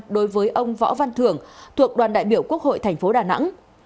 đối với ông võ văn thưởng thuộc đoàn đại biểu quốc hội thành phố đà nẵng